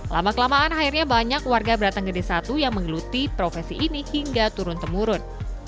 lama kelamaan akhirnya banyak warga beratang gede satu yang menggeluti profesi ini hingga turun temurun